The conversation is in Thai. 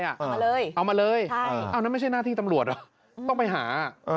เอามาเลยเอามาเลยเอานั่นไม่ใช่หน้าที่ตำรวจต้องไปหา